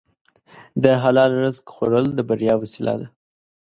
د حلال رزق خوړل د بریا وسیله ده.